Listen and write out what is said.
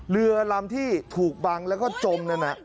เรือล่มที่ถูกบังแล้วก็จม